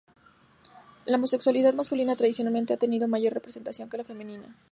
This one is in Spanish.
La homosexualidad masculina tradicionalmente ha tenido mayor representación que la femenina.